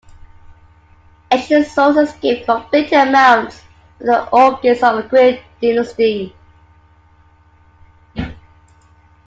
Ancient sources give conflicting accounts of the origins of the Argead dynasty.